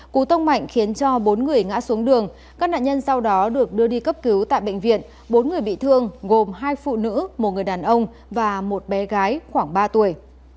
cú tông mạnh khiến cho bốn người ngã xuống đường các nạn nhân sau đó được đưa đi cấp cứu tại bệnh viện bốn người bị thương gồm hai phụ nữ một người đàn ông và một bé gái khoảng ba tuổi